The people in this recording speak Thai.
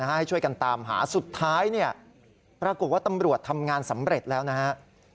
ให้ช่วยกันตามหาสุดท้ายปรากฏว่าตำรวจทำงานสำเร็จแล้วนะฮะ